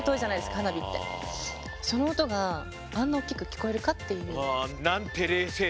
その音があんなおっきく聞こえるかっていう。